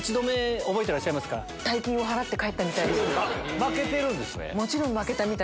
負けてるんですね？